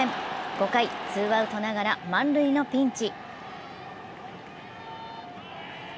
５回、ツーアウトながら満塁のピンチ。